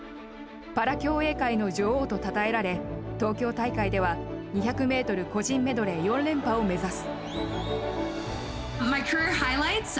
パラ競泳界の女王とたたえられ東京大会では２００ｍ個人メドレー４連覇を目指す。